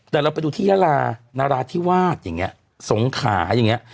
แต่เราไปดูที่ยาลานราธิวาสอย่างนี้สงขาอย่างนี้